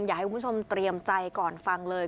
อยากให้คุณผู้ชมเตรียมใจก่อนฟังเลย